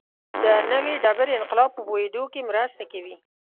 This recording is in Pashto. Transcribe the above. د نوې ډبرې انقلاب په پوهېدو کې مرسته کوي